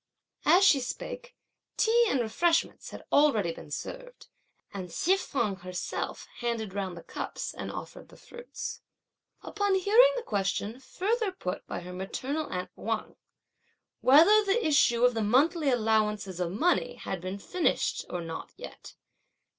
As she spake, tea and refreshments had already been served, and Hsi feng herself handed round the cups and offered the fruits. Upon hearing the question further put by her maternal aunt Secunda, "Whether the issue of the monthly allowances of money had been finished or not yet?"